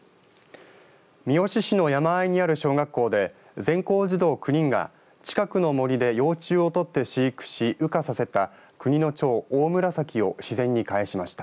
三好市の山あいにある小学校で全校児童９人が近くの森で幼虫をとって飼育し羽化させた国のチョウオオムラサキを自然に帰しました。